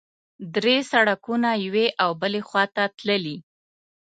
درې سړکونه یوې او بلې خوا ته تللي.